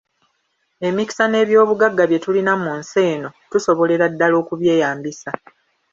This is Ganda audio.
Emikisa n’ebyobugagga bye tulina mu nsi eno tusobolera ddala okubyeyambisa.